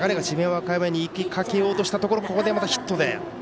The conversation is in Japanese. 和歌山にいきかけようとしたところここでまたヒットで。